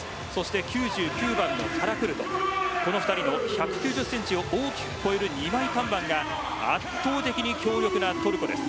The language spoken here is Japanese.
そして９９番のカラクルトこの２人の１９０センチを大きく超える２枚看板が圧倒的に強力なトルコです。